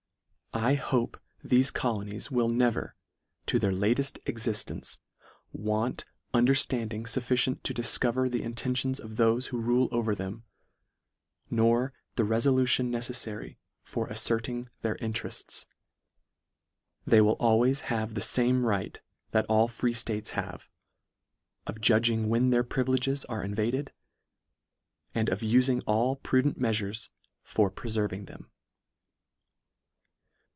I hope thefe colonies will never, to their lateft existence, want understanding Suffici ent to difcover the intentions of thofe who rule over them, nor the refolution neceffary for afferting their interests. They will al ways have the fame right that all free ftates have, of judging when their privileges are invaded, and of ufing all prudent meafures for preferving them.